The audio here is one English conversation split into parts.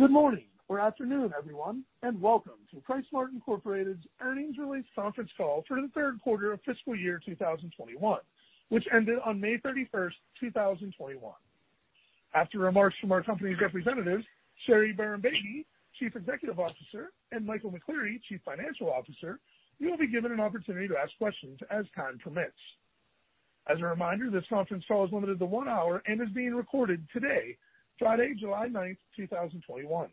Good morning or afternoon, everyone, welcome to PriceSmart Incorporated's earnings release conference call for the third quarter of fiscal year 2021, which ended on May 31st, 2021. After remarks from our company's representatives, Sherry Bahrambeygui, Chief Executive Officer, and Michael McCleary, Chief Financial Officer, you will be given an opportunity to ask questions as time permits. As a reminder, this conference call is limited to one hour and is being recorded today, Friday, July 9th, 2021.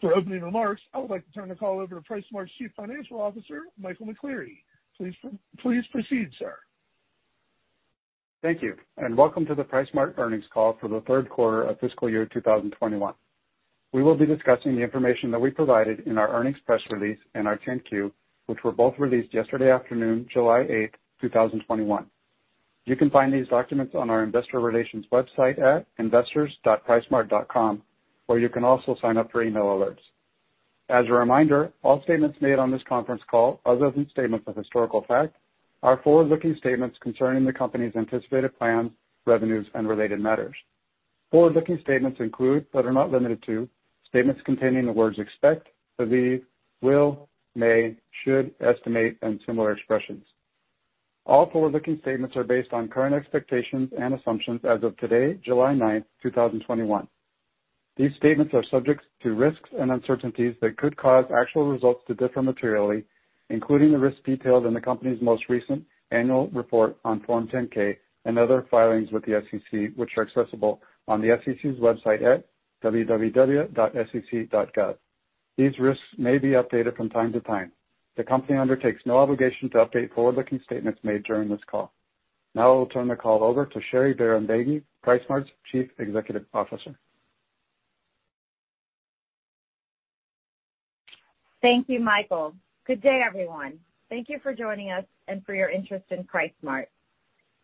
For opening remarks, I would like to turn the call over to PriceSmart's Chief Financial Officer, Michael McCleary. Please proceed, sir. Thank you, welcome to the PriceSmart earnings call for the third quarter of fiscal year 2021. We will be discussing the information that we provided in our earnings press release and our 10-Q, which were both released yesterday afternoon, July 8th, 2021. You can find these documents on our investor relations website at investors.pricesmart.com, or you can also sign up for email alerts. As a reminder, all statements made on this conference call, other than statements of historical fact, are forward-looking statements concerning the company's anticipated plans, revenues, and related matters. Forward-looking statements include, but are not limited to, statements containing the words "expect," "believe," "will," "may," "should," "estimate," and similar expressions. All forward-looking statements are based on current expectations and assumptions as of today, July 9th, 2021. These statements are subject to risks and uncertainties that could cause actual results to differ materially, including the risks detailed in the company's most recent annual report on Form 10-K and other filings with the SEC, which are accessible on the SEC's website at www.sec.gov. These risks may be updated from time to time. The company undertakes no obligation to update forward-looking statements made during this call. I will turn the call over to Sherry Bahrambeygui, PriceSmart's Chief Executive Officer. Thank you, Michael. Good day, everyone. Thank you for joining us and for your interest in PriceSmart.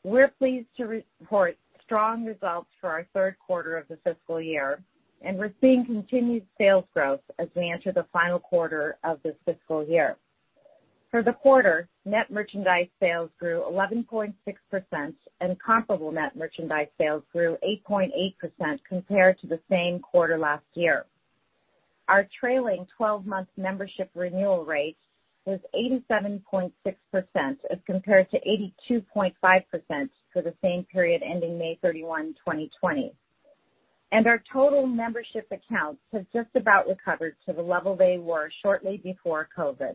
We're pleased to report strong results for our third quarter of the fiscal year, and we're seeing continued sales growth as we enter the final quarter of the fiscal year. For the quarter, net merchandise sales grew 11.6%, and comparable net merchandise sales grew 8.8% compared to the same quarter last year. Our trailing 12-month membership renewal rate was 87.6% as compared to 82.5% for the same period ending May 31, 2020. Our total membership accounts have just about recovered to the level they were shortly before COVID.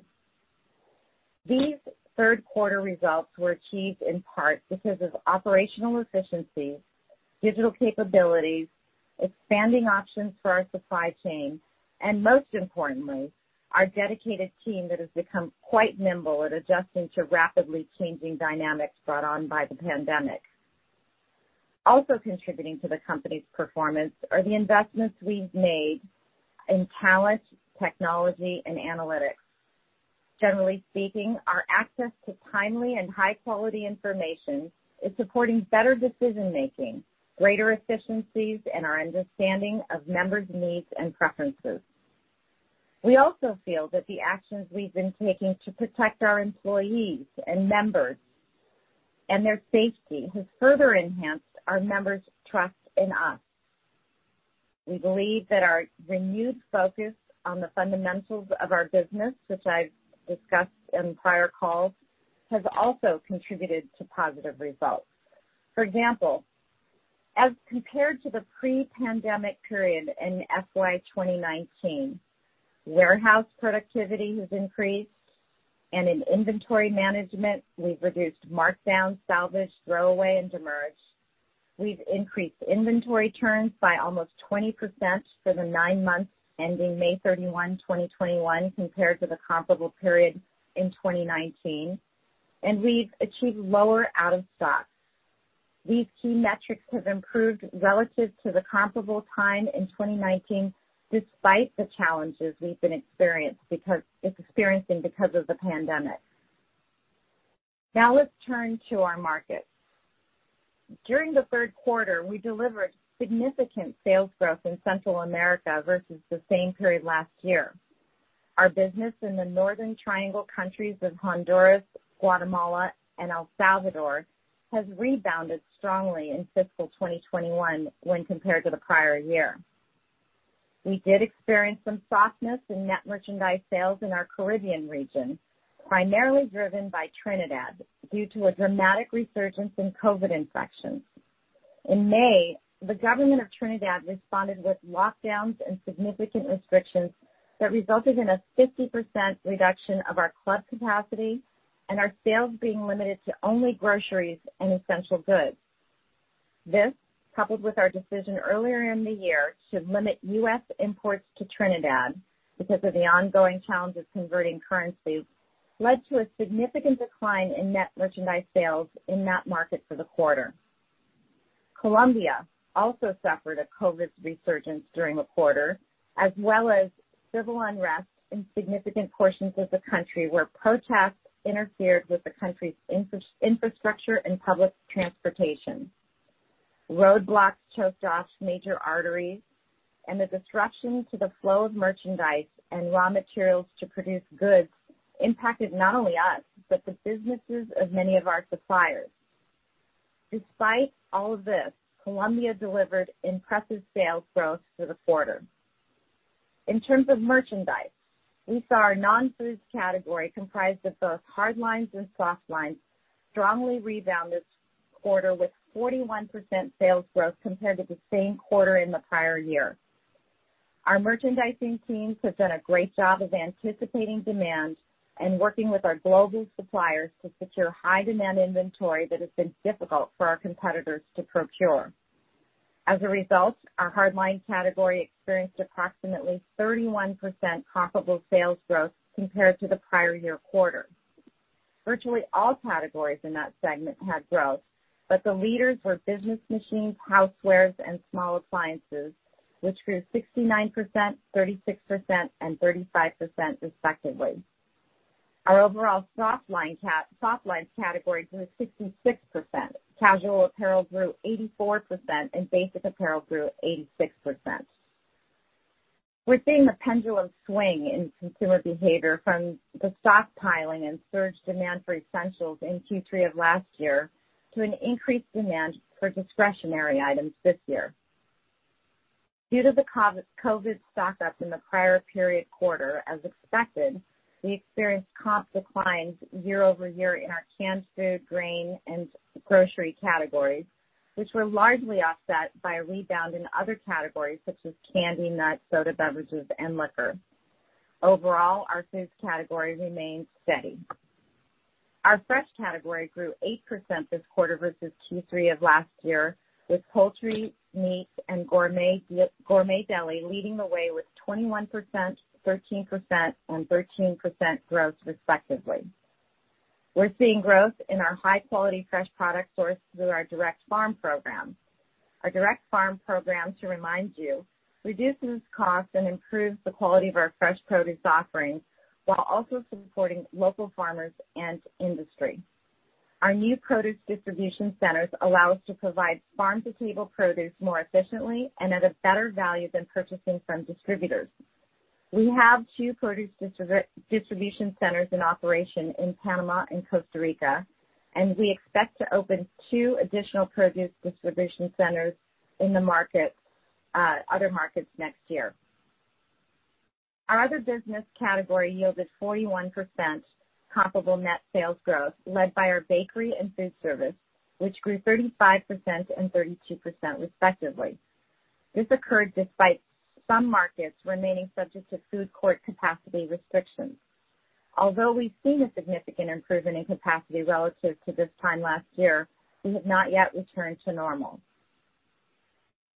These third quarter results were achieved in part because of operational efficiency, digital capabilities, expanding options for our supply chain, and most importantly, our dedicated team that has become quite nimble at adjusting to rapidly changing dynamics brought on by the pandemic. Also contributing to the company's performance are the investments we've made in talent, technology, and analytics. Generally speaking, our access to timely and high-quality information is supporting better decision-making, greater efficiencies in our understanding of members' needs and preferences. We also feel that the actions we've been taking to protect our employees and members and their safety has further enhanced our members' trust in us. We believe that our renewed focus on the fundamentals of our business, which I've discussed in prior calls, has also contributed to positive results. For example, as compared to the pre-pandemic period in FY 2019, warehouse productivity has increased, and in inventory management, we've reduced markdowns, salvage, throwaway, and demurrage. We've increased inventory turns by almost 20% for the nine months ending May 31, 2021, compared to the comparable period in 2019, and we've achieved lower out of stocks. These key metrics have improved relative to the comparable time in 2019, despite the challenges we've been experiencing because of the pandemic. Now let's turn to our markets. During the third quarter, we delivered significant sales growth in Central America versus the same period last year. Our business in the Northern Triangle countries of Honduras, Guatemala, and El Salvador has rebounded strongly in fiscal 2021 when compared to the prior year. We did experience some softness in net merchandise sales in our Caribbean region, primarily driven by Trinidad, due to a dramatic resurgence in COVID-19 infections. In May, the government of Trinidad responded with lockdowns and significant restrictions that resulted in a 50% reduction of our club capacity and our sales being limited to only groceries and essential goods. This, coupled with our decision earlier in the year to limit U.S. imports to Trinidad because of the ongoing challenges converting currency. Led to a significant decline in net merchandise sales in that market for the quarter. Colombia also suffered a COVID-19 resurgence during the quarter, as well as civil unrest in significant portions of the country where protests interfered with the country's infrastructure and public transportation. The disruption to the flow of merchandise and raw materials to produce goods impacted not only us, but the businesses of many of our suppliers. Despite all of this, Colombia delivered impressive sales growth for the quarter. In terms of merchandise, we saw our non-food category, comprised of both hardlines and softlines, strongly rebound this quarter with 41% sales growth compared to the same quarter in the prior year. Our merchandising teams have done a great job of anticipating demand and working with our global suppliers to secure high-demand inventory that has been difficult for our competitors to procure. As a result, our hardline category experienced approximately 31% comparable sales growth compared to the prior year quarter. Virtually all categories in that segment had growth, but the leaders were business machines, housewares, and small appliances, which grew 69%, 36%, and 35% respectively. Our overall softline category grew 66%. Casual apparel grew 84%, and basic apparel grew 86%. We're seeing the pendulum swing in consumer behavior from the stockpiling and surge demand for essentials in Q3 of last year to an increased demand for discretionary items this year. Due to the COVID-19 stock-up in the prior period quarter, as expected, we experienced comp declines year-over-year in our canned food, grain, and grocery categories, which were largely offset by a rebound in other categories such as candy, nuts, soda beverages, and liquor. Overall, our foods category remained steady. Our fresh category grew 8% this quarter versus Q3 of last year, with poultry, meat, and gourmet deli leading the way with 21%, 13%, and 13% growth respectively. We're seeing growth in our high-quality fresh product source through our direct farm program. Our direct farm program, to remind you, reduces costs and improves the quality of our fresh produce offerings while also supporting local farmers and industry. Our new produce distribution centers allow us to provide farm-to-table produce more efficiently and at a better value than purchasing from distributors. We have two produce distribution centers in operation in Panama and Costa Rica, and we expect to open two additional produce distribution centers in other markets next year. Our other business category yielded 41% comparable net sales growth led by our bakery and food service, which grew 35% and 32% respectively. This occurred despite some markets remaining subject to food court capacity restrictions. Although we've seen a significant improvement in capacity relative to this time last year, we have not yet returned to normal.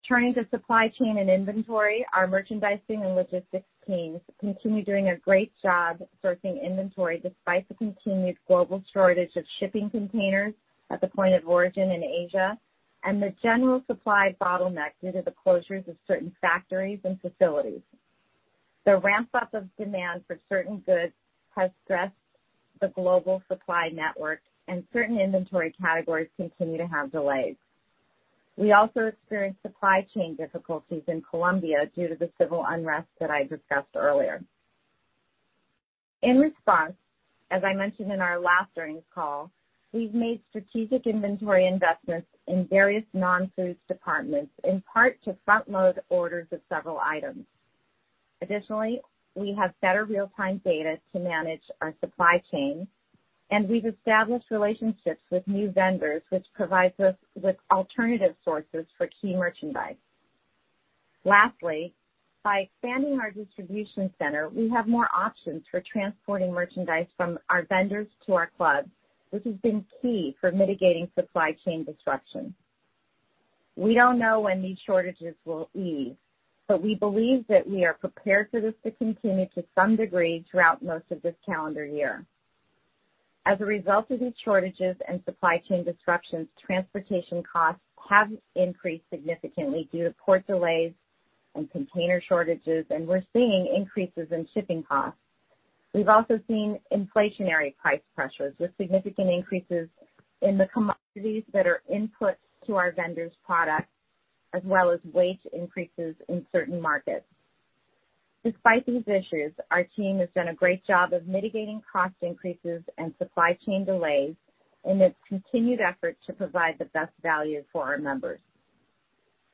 Turning to supply chain and inventory, our merchandising and logistics teams continue doing a great job sourcing inventory despite the continued global shortage of shipping containers at the point of origin in Asia and the general supply bottleneck due to the closures of certain factories and facilities. The ramp-up of demand for certain goods has stressed the global supply network, and certain inventory categories continue to have delays. We also experienced supply chain difficulties in Colombia due to the civil unrest that I discussed earlier. In response, as I mentioned in our last earnings call, we've made strategic inventory investments in various non-food departments, in part to front-load orders of several items. Additionally, we have better real-time data to manage our supply chain, and we've established relationships with new vendors, which provides us with alternative sources for key merchandise. Lastly, by expanding our distribution center, we have more options for transporting merchandise from our vendors to our clubs, which has been key for mitigating supply chain disruption. We don't know when these shortages will ease, but we believe that we are prepared for this to continue to some degree throughout most of this calendar year. As a result of these shortages and supply chain disruptions, transportation costs have increased significantly due to port delays and container shortages, and we're seeing increases in shipping costs. We've also seen inflationary price pressures with significant increases in the commodities that are inputs to our vendors' products, as well as wage increases in certain markets. Despite these issues, our team has done a great job of mitigating cost increases and supply chain delays in its continued effort to provide the best value for our members.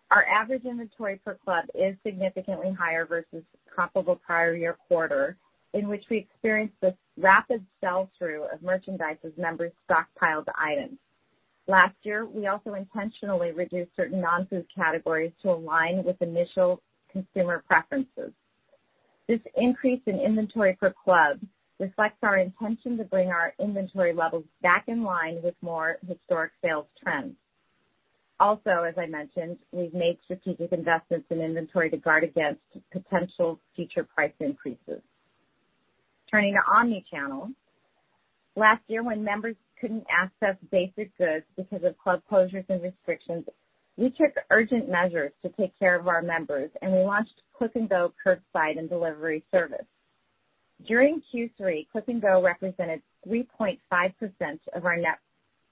Our average inventory per club is significantly higher versus comparable prior year quarter, in which we experienced the rapid sell-through of merchandise as members stockpiled items. Last year, we also intentionally reduced certain non-food categories to align with initial consumer preferences. This increase in inventory per club reflects our intention to bring our inventory levels back in line with more historic sales trends. As I mentioned, we've made strategic investments in inventory to guard against potential future price increases. Turning to omnichannel. Last year, when members couldn't access basic goods because of club closures and restrictions, we took urgent measures to take care of our members, and we launched Click & Go, Curbside and delivery service. During Q3, Click & Go represented 3.5% of our net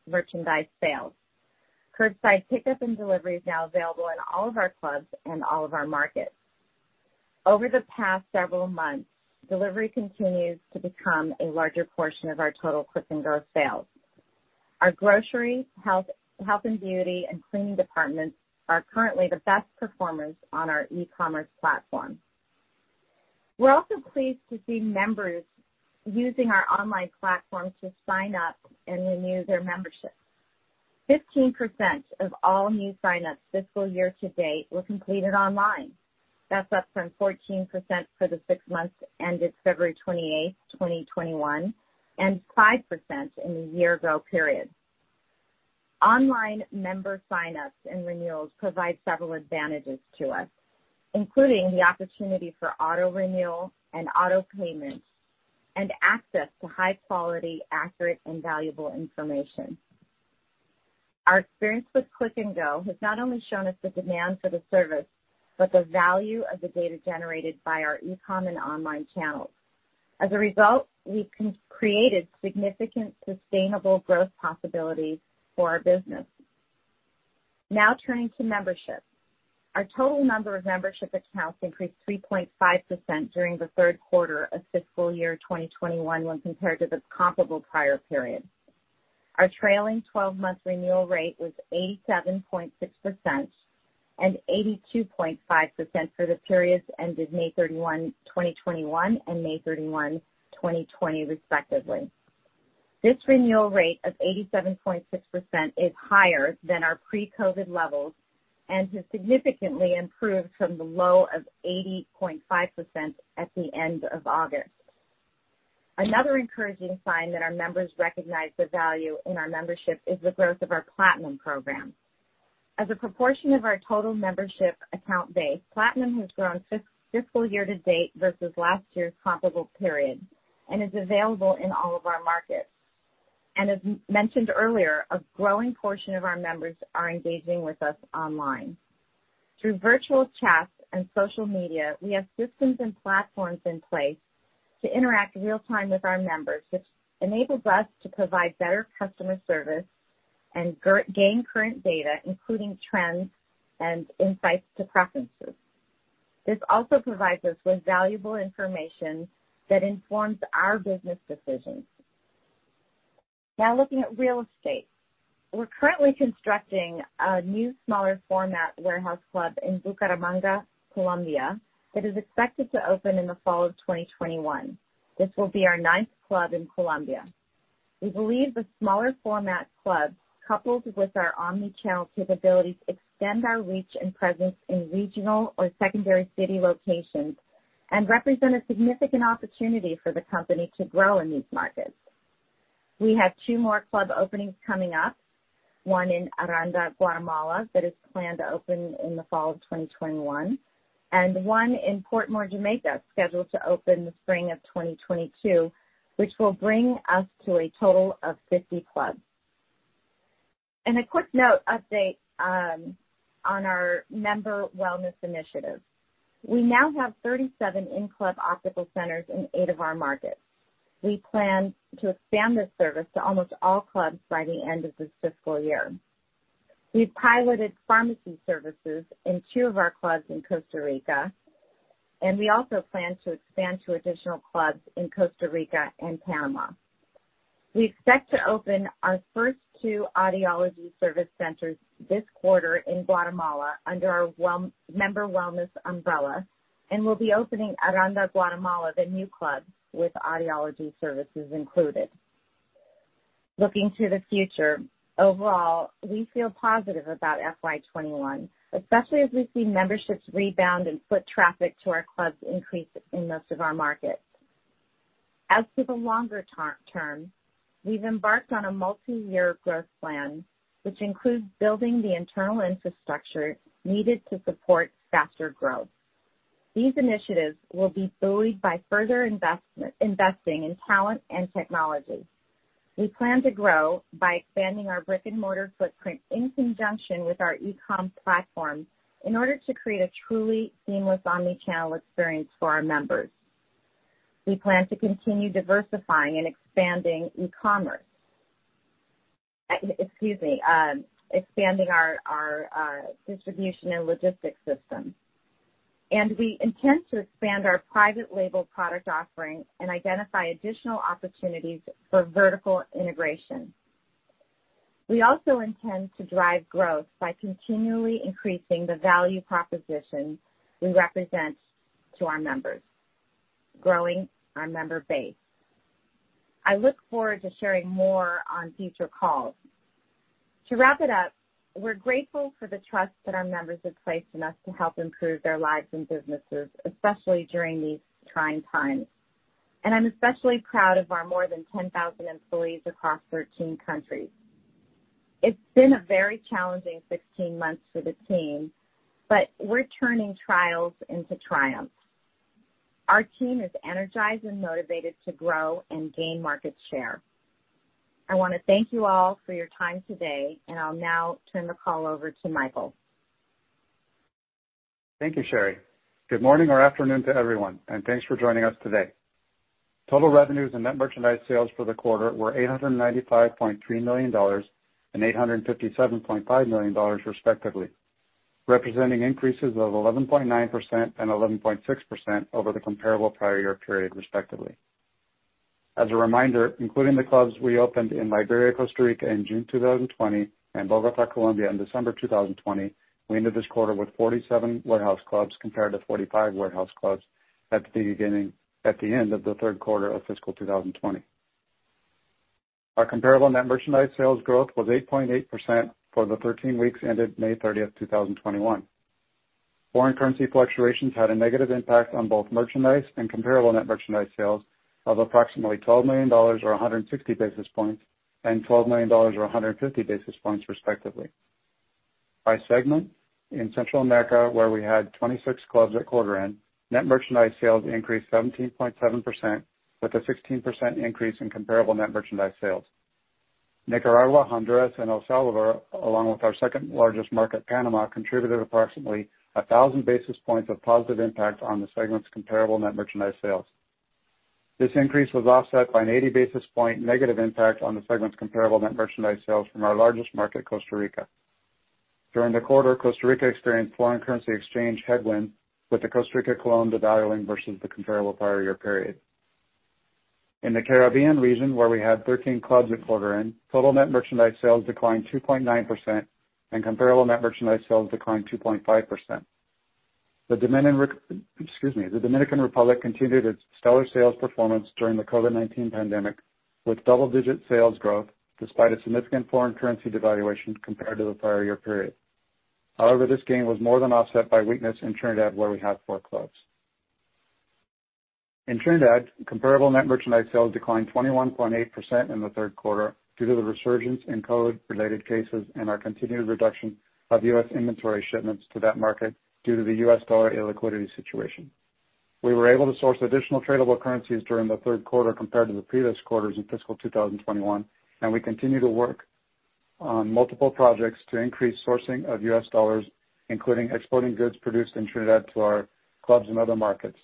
merchandise sales. Curbside pickup and delivery is now available in all of our clubs and all of our markets. Over the past several months, delivery continues to become a larger portion of our total Click & Go sales. Our grocery, health and beauty, and cleaning departments are currently the best performers on our e-commerce platform. We are also pleased to see members using our online platforms to sign up and renew their memberships. 15% of all new signups fiscal year to date were completed online. That is up from 14% for the six months ended February 28th, 2021, and 5% in the year ago period. Online member signups and renewals provide several advantages to us, including the opportunity for auto renewal and auto payments and access to high quality, accurate, and valuable information. Our experience with Click & Go has not only shown us the demand for the service, but the value of the data generated by our e-com and online channels. We've created significant sustainable growth possibilities for our business. Turning to membership. Our total number of membership accounts increased 3.5% during the third quarter of fiscal year 2021 when compared to the comparable prior period. Our trailing 12-month renewal rate was 87.6% and 82.5% for the periods ended May 31, 2021 and May 31, 2020, respectively. This renewal rate of 87.6% is higher than our pre-COVID levels and has significantly improved from the low of 80.5% at the end of August. Another encouraging sign that our members recognize the value in our membership is the growth of our Platinum program. As a proportion of our total membership account base, Platinum has grown fiscal year to date versus last year's comparable period and is available in all of our markets. As mentioned earlier, a growing portion of our members are engaging with us online. Through virtual chats and social media, we have systems and platforms in place to interact in real time with our members, which enables us to provide better customer service and gain current data, including trends and insights to preferences. This also provides us with valuable information that informs our business decisions. Looking at real estate. We're currently constructing a new, smaller format warehouse club in Bucaramanga, Colombia, that is expected to open in the fall of 2021. This will be our ninth club in Colombia. We believe the smaller format clubs, coupled with our omnichannel capabilities, extend our reach and presence in regional or secondary city locations and represent a significant opportunity for the company to grow in these markets. We have two more club openings coming up, one in Aranda, Guatemala, that is planned to open in the fall of 2021, and one in Portmore, Jamaica, scheduled to open the spring of 2022, which will bring us to a total of 50 clubs. A quick note update on our member wellness initiative. We now have 37 in-club optical centers in eight of our markets. We plan to expand this service to almost all clubs by the end of this fiscal year. We've piloted pharmacy services in two of our clubs in Costa Rica, and we also plan to expand to additional clubs in Costa Rica and Panama. We expect to open our first two audiology service centers this quarter in Guatemala under our member wellness umbrella, and we'll be opening Aranda, Guatemala, the new club, with audiology services included. Looking to the future, overall, we feel positive about FY 2021, especially as we see memberships rebound and foot traffic to our clubs increase in most of our markets. As to the longer term, we've embarked on a multiyear growth plan, which includes building the internal infrastructure needed to support faster growth. These initiatives will be buoyed by further investing in talent and technology. We plan to grow by expanding our brick and mortar footprint in conjunction with our e-com platform in order to create a truly seamless omnichannel experience for our members. We plan to continue diversifying and expanding e-commerce. Excuse me. Expanding our distribution and logistics system. We intend to expand our private label product offering and identify additional opportunities for vertical integration. We also intend to drive growth by continually increasing the value proposition we represent to our members, growing our member base. I look forward to sharing more on future calls. To wrap it up, we're grateful for the trust that our members have placed in us to help improve their lives and businesses, especially during these trying times. I'm especially proud of our more than 10,000 employees across 13 countries. It's been a very challenging 16 months for the team, but we're turning trials into triumphs. Our team is energized and motivated to grow and gain market share. I want to thank you all for your time today, and I'll now turn the call over to Michael. Thank you, Sherry. Good morning or afternoon to everyone, and thanks for joining us today. Total revenues and net merchandise sales for the quarter were $895.3 million and $857.5 million respectively, representing increases of 11.9% and 11.6% over the comparable prior year period respectively. As a reminder, including the clubs we opened in Liberia, Costa Rica in June 2020 and Bogotá, Colombia in December 2020, we ended this quarter with 47 warehouse clubs compared to 45 warehouse clubs at the end of the third quarter of fiscal 2020. Our comparable net merchandise sales growth was 8.8% for the 13 weeks ended May 30, 2021. Foreign currency fluctuations had a negative impact on both merchandise and comparable net merchandise sales of approximately $12 million, or 160 basis points, and $12 million, or 150 basis points, respectively. By segment, in Central America, where we had 26 clubs at quarter end, net merchandise sales increased 17.7%, with a 16% increase in comparable net merchandise sales. Nicaragua, Honduras, and El Salvador, along with our second largest market, Panama, contributed approximately 1,000 basis points of positive impact on the segment's comparable net merchandise sales. This increase was offset by an 80 basis point negative impact on the segment's comparable net merchandise sales from our largest market, Costa Rica. During the quarter, Costa Rica experienced foreign currency exchange headwinds, with the Costa Rica colon devaluing versus the comparable prior year period. In the Caribbean region, where we had 13 clubs at quarter end, total net merchandise sales declined 2.9%, and comparable net merchandise sales declined 2.5%. The Dominican Republic continued its stellar sales performance during the COVID-19 pandemic with double-digit sales growth despite a significant foreign currency devaluation compared to the prior year period. However, this gain was more than offset by weakness in Trinidad, where we have four clubs. In Trinidad, comparable net merchandise sales declined 21.8% in the third quarter due to the resurgence in COVID related cases and our continued reduction of U.S. inventory shipments to that market due to the U.S. dollar illiquidity situation. We were able to source additional tradable currencies during the third quarter compared to the previous quarters in fiscal 2021, and we continue to work on multiple projects to increase sourcing of U.S. dollars, including exporting goods produced in Trinidad to our clubs in other markets.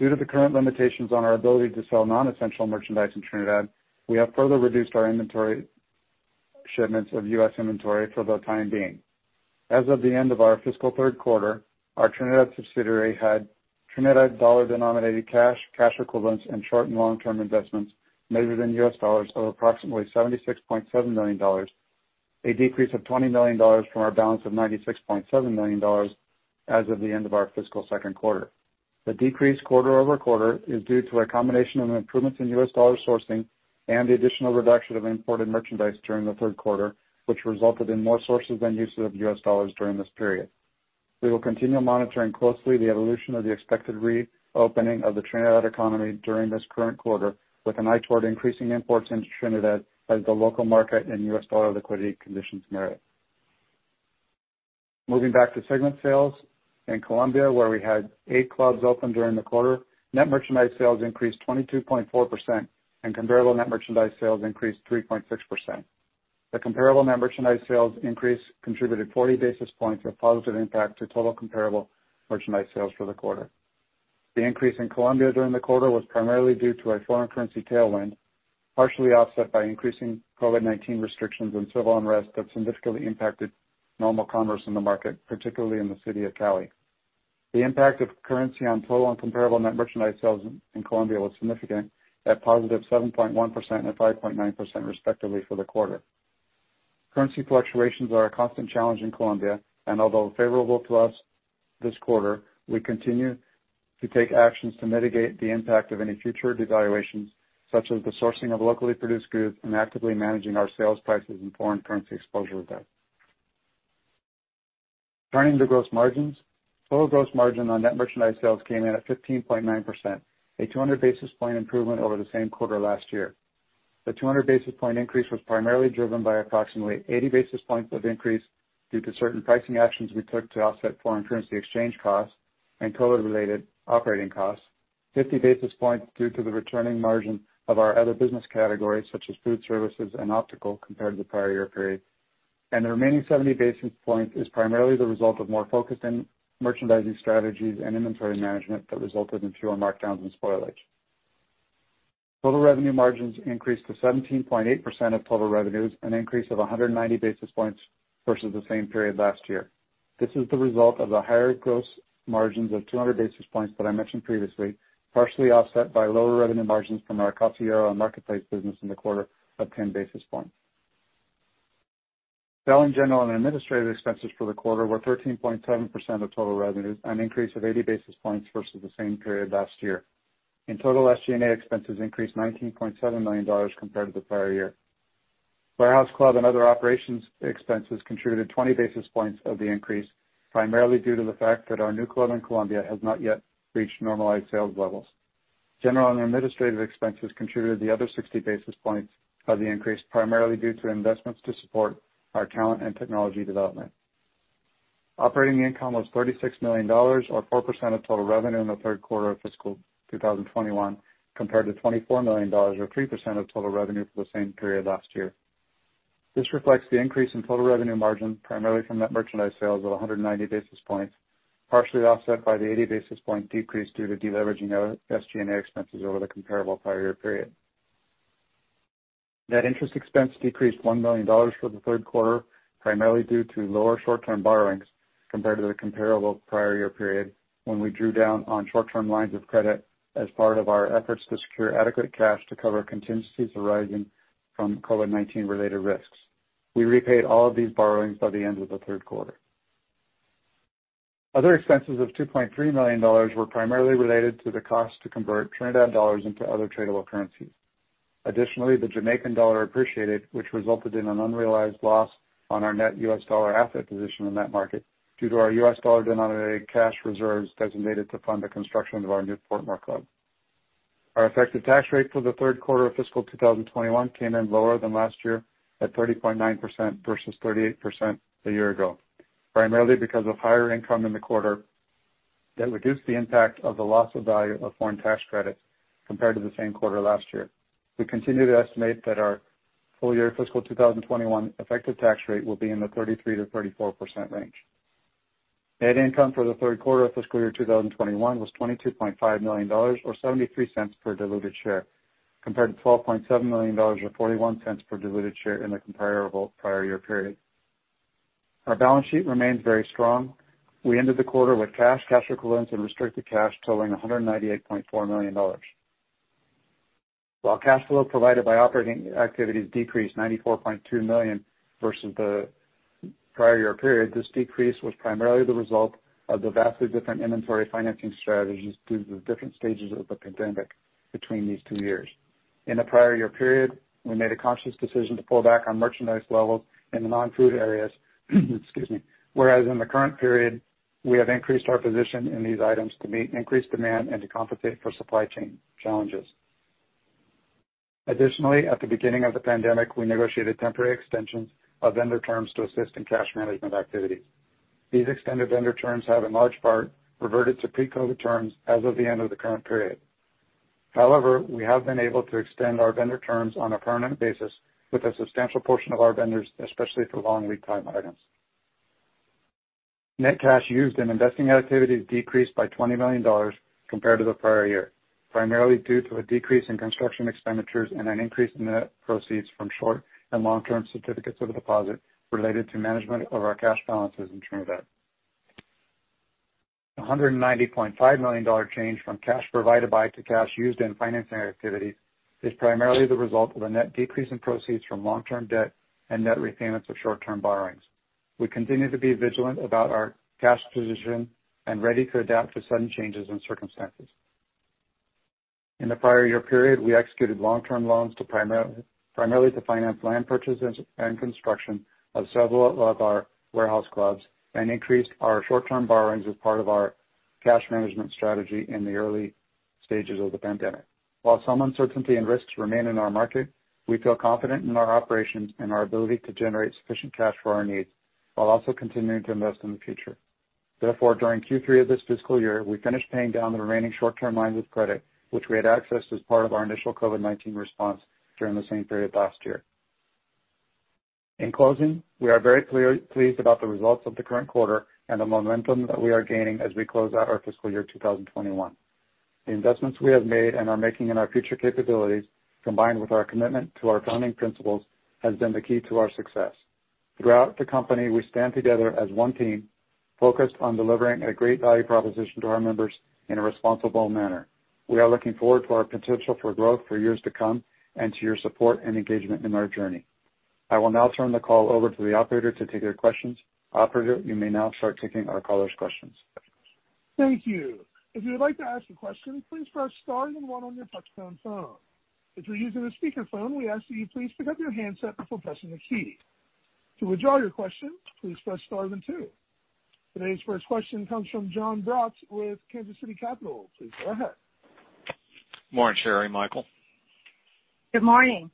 Due to the current limitations on our ability to sell non-essential merchandise in Trinidad, we have further reduced our inventory shipments of U.S. inventory for the time being. As of the end of our fiscal third quarter, our Trinidad subsidiary had Trinidad dollar denominated cash equivalents, and short and long-term investments measured in U.S. dollars of approximately $76.7 million, a decrease of $20 million from our balance of $96.7 million as of the end of our fiscal second quarter. The decrease quarter-over-quarter is due to a combination of improvements in U.S. dollar sourcing and the additional reduction of imported merchandise during the third quarter, which resulted in more sources than uses of U.S. dollars during this period. We will continue monitoring closely the evolution of the expected reopening of the Trinidad economy during this current quarter with an eye toward increasing imports into Trinidad as the local market and U.S. dollar liquidity conditions merit. Moving back to segment sales, in Colombia, where we had eight clubs open during the quarter, net merchandise sales increased 22.4%. Comparable net merchandise sales increased 3.6%. The comparable net merchandise sales increase contributed 40 basis points of positive impact to total comparable merchandise sales for the quarter. The increase in Colombia during the quarter was primarily due to a foreign currency tailwind, partially offset by increasing COVID-19 restrictions and civil unrest that significantly impacted normal commerce in the market, particularly in the city of Cali. The impact of currency on total and comparable net merchandise sales in Colombia was significant at positive 7.1% and 5.9%, respectively, for the quarter. Currency fluctuations are a constant challenge in Colombia, and although favorable to us this quarter, we continue to take actions to mitigate the impact of any future devaluations, such as the sourcing of locally produced goods and actively managing our sales prices and foreign currency exposure there. Turning to gross margins. Total gross margin on net merchandise sales came in at 15.9%, a 200 basis point improvement over the same quarter last year. The 200 basis point increase was primarily driven by approximately 80 basis points of increase due to certain pricing actions we took to offset foreign currency exchange costs and COVID-19 related operating costs, 50 basis points due to the returning margins of our other business categories such as food services and optical compared to the prior year period. The remaining 70 basis points is primarily the result of more focused merchandising strategies and inventory management that resulted in fewer markdowns and spoilage. Total revenue margins increased to 17.8% of total revenues, an increase of 190 basis points versus the same period last year. This is the result of the higher gross margins of 200 basis points that I mentioned previously, partially offset by lower revenue margins from our casillero marketplace business in the quarter of 10 basis points. Selling, general, and administrative expenses for the quarter were 13.7% of total revenues, an increase of 80 basis points versus the same period last year. In total, SG&A expenses increased to $19.7 million compared to the prior year. Warehouse club and other operations expenses contributed 20 basis points of the increase, primarily due to the fact that our new club in Colombia has not yet reached normalized sales levels. General and administrative expenses contributed the other 60 basis points of the increase, primarily due to investments to support our talent and technology development. Operating income was $36 million, or 4% of total revenue in the third quarter of fiscal 2021 compared to $24 million or 3% of total revenue for the same period last year. This reflects the increase in total revenue margin, primarily from net merchandise sales of 190 basis points, partially offset by the 80 basis point decrease due to deleveraging our SG&A expenses over the comparable prior year period. Net interest expense decreased $1 million for the third quarter, primarily due to lower short-term borrowings compared to the comparable prior year period when we drew down on short-term lines of credit as part of our efforts to secure adequate cash to cover contingencies arising from COVID-19 related risks. We repaid all of these borrowings by the end of the third quarter. Other expenses of $2.3 million were primarily related to the cost to convert Trinidad dollars into other tradable currencies. Additionally, the Jamaican dollar appreciated, which resulted in an unrealized loss on our net US dollar asset position in that market due to our US dollar denominated cash reserves designated to fund the construction of our new Portmore club. Our effective tax rate for the third quarter of fiscal 2021 came in lower than last year at 30.9% versus 38% a year ago, primarily because of higher income in the quarter that reduced the impact of the loss of value of foreign tax credits compared to the same quarter last year. We continue to estimate that our full year fiscal 2021 effective tax rate will be in the 33%-34% range. Net income for the third quarter of fiscal year 2021 was $22.5 million or $0.73 per diluted share, compared to $12.7 million or $0.41 per diluted share in the comparable prior year period. Our balance sheet remains very strong. We ended the quarter with cash equivalents, and restricted cash totaling $198.4 million. While cash flow provided by operating activities decreased to $94.2 million versus the prior year period, this decrease was primarily the result of the vastly different inventory financing strategies due to the different stages of the pandemic between these two years. In the prior year period, we made a conscious decision to pull back on merchandise levels in the non-food areas, excuse me, whereas in the current period, we have increased our position in these items to meet increased demand and to compensate for supply chain challenges. Additionally, at the beginning of the pandemic, we negotiated temporary extensions of vendor terms to assist in cash management activities. These extended vendor terms have in large part reverted to pre-COVID-19 terms as of the end of the current period. However, we have been able to extend our vendor terms on a permanent basis with a substantial portion of our vendors, especially for long lead time items. Net cash used in investing activities decreased by $20 million compared to the prior year, primarily due to a decrease in construction expenditures and an increase in net proceeds from short- and long-term certificates of deposit related to management of our cash balances in Trinidad. A $190.5 million change from cash provided by to cash used in financing activities is primarily the result of a net decrease in proceeds from long-term debt and net repayments of short-term borrowings. We continue to be vigilant about our cash position and ready to adapt to sudden changes in circumstances. In the prior year period, we executed long-term loans primarily to finance land purchases and construction of several of our warehouse clubs and increased our short-term borrowings as part of our cash management strategy in the early stages of the pandemic. While some uncertainty and risks remain in our market, we feel confident in our operations and our ability to generate sufficient cash for our needs while also continuing to invest in the future. Therefore, during Q3 of this fiscal year, we finished paying down the remaining short-term lines of credit, which we had accessed as part of our initial COVID-19 response during the same period last year. In closing, we are very pleased about the results of the current quarter and the momentum that we are gaining as we close out our fiscal year 2021. The investments we have made and are making in our future capabilities, combined with our commitment to our founding principles, has been the key to our success. Throughout the company, we stand together as one team focused on delivering a great value proposition to our members in a responsible manner. We are looking forward to our potential for growth for years to come and to your support and engagement in our journey. I will now turn the call over to the operator to take your questions. Operator, you may now start taking our callers' questions. Thank you. If you would like to ask a question, please press star one on your touchtone phone. If you're using a speakerphone, we ask that you please pick up your handset before pressing the key. To withdraw your question, please press star two. Today's first question comes from Jon Braatz with Kansas City Capital. Please go ahead. Good morning, Sherry and Michael. Good morning.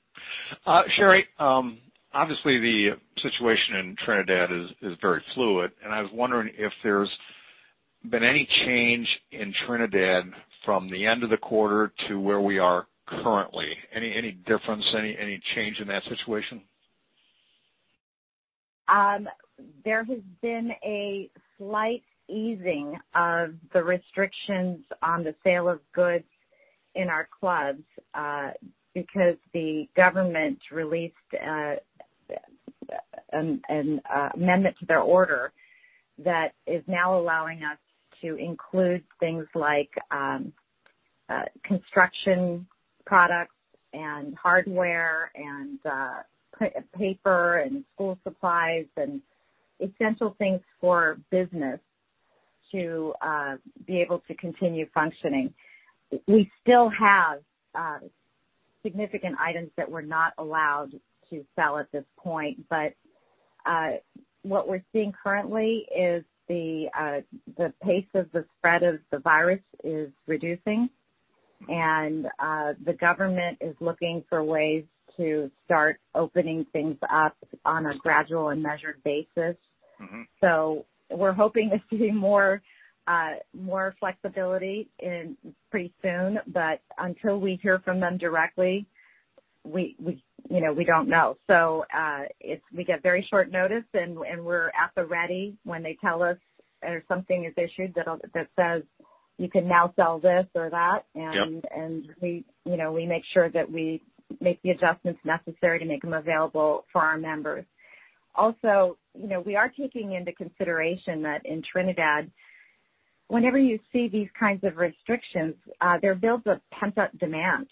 Sherry, obviously the situation in Trinidad is very fluid. I was wondering if there's been any change in Trinidad from the end of the quarter to where we are currently. Any difference? Any change in that situation? There has been a slight easing of the restrictions on the sale of goods in our clubs because the government released an amendment to their order that is now allowing us to include things like construction products and hardware and paper and school supplies and essential things for business to be able to continue functioning. We still have significant items that we're not allowed to sell at this point. What we're seeing currently is the pace of the spread of the virus is reducing, and the government is looking for ways to start opening things up on a gradual and measured basis. We're hoping to see more flexibility pretty soon, but until we hear from them directly, we don't know. We get very short notice, and we're at the ready when they tell us or something is issued that says, "You can now sell this or that. Yep. We make sure that we make the adjustments necessary to make them available for our members. Also, we are taking into consideration that in Trinidad, whenever you see these kinds of restrictions, there builds a pent-up demand.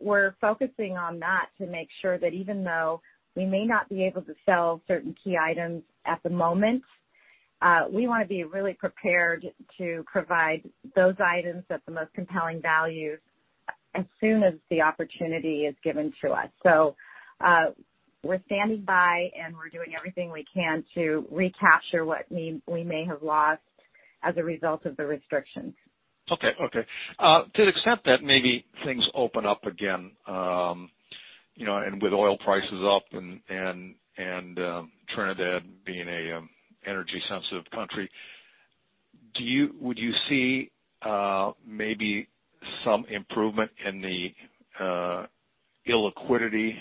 We're focusing on that to make sure that even though we may not be able to sell certain key items at the moment, we want to be really prepared to provide those items at the most compelling values as soon as the opportunity is given to us. We're standing by, and we're doing everything we can to recapture what we may have lost as a result of the restrictions. Okay. To the extent that maybe things open up again, with oil prices up and Trinidad being an energy-sensitive country, would you see maybe some improvement in the illiquidity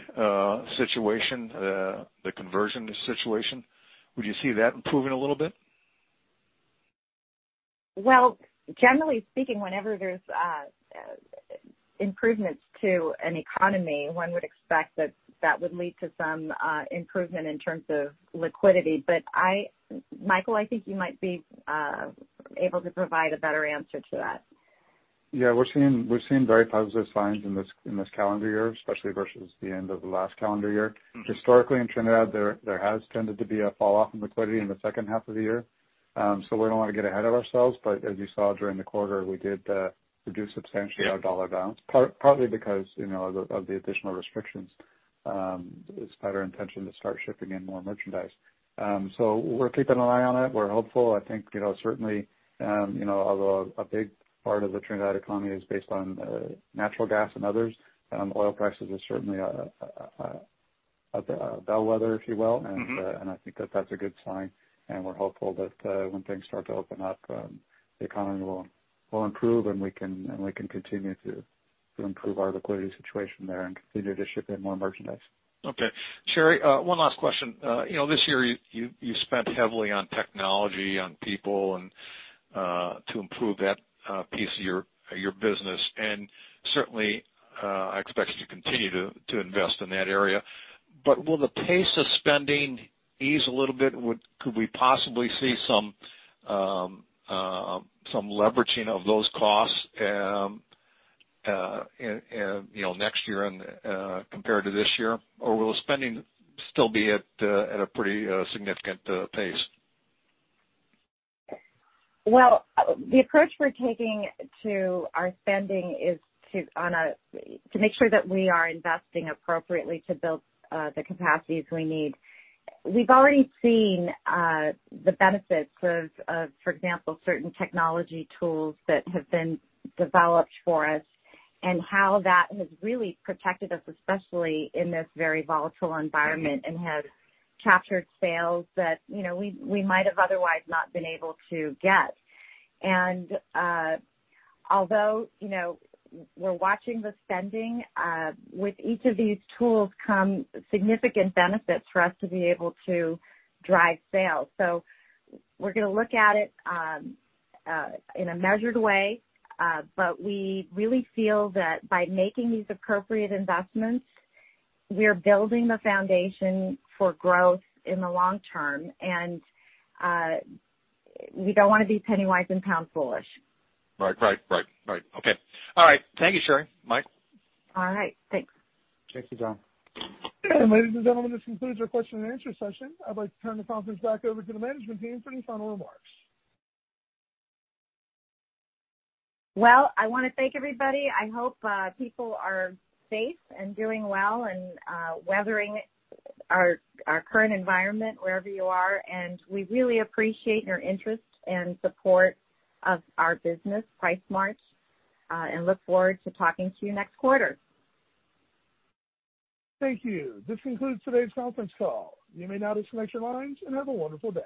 situation, the conversion situation? Would you see that improving a little bit? Well, generally speaking, whenever there's improvements to an economy, one would expect that that would lead to some improvement in terms of liquidity. Michael, I think you might be able to provide a better answer to that. We're seeing very positive signs in this calendar year, especially versus the end of the last calendar year. Historically, in Trinidad, there has tended to be a falloff in liquidity in the second half of the year. We don't want to get ahead of ourselves, but as you saw during the quarter, we did reduce substantially. Yeah our U.S. dollar balance, partly because of the additional restrictions. It's our intention to start shipping in more merchandise. We're keeping an eye on it. We're hopeful. I think, certainly, although a big part of the Trinidad economy is based on natural gas and others, oil prices are certainly a bellwether, if you will. I think that that's a good sign, and we're hopeful that when things start to open up, the economy will improve and we can continue to improve our liquidity situation there and continue to ship in more merchandise. Okay. Sherry, one last question. This year, you spent heavily on technology, on people, and to improve that piece of your business, and certainly, I expect you to continue to invest in that area. Will the pace of spending ease a little bit? Could we possibly see some leveraging of those costs next year compared to this year? Will spending still be at a pretty significant pace? Well, the approach we're taking to our spending is to make sure that we are investing appropriately to build the capacities we need. We've already seen the benefits of, for example, certain technology tools that have been developed for us and how that has really protected us, especially in this very volatile environment, and has captured sales that we might have otherwise not been able to get. Although we're watching the spending, with each of these tools come significant benefits for us to be able to drive sales. We're going to look at it in a measured way. We really feel that by making these appropriate investments, we're building the foundation for growth in the long term. We don't want to be penny-wise and pound-foolish. Right. Okay. All right. Thank you, Sherry. Mike? All right. Thanks. Thank you, Jon. Ladies and gentlemen, this concludes our question and answer session. I'd like to turn the conference back over to the management team for any final remarks. Well, I want to thank everybody. I hope people are safe and doing well and weathering our current environment wherever you are. We really appreciate your interest and support of our business, PriceSmart, and look forward to talking to you next quarter. Thank you. This concludes today's conference call. You may now disconnect your lines, and have a wonderful day.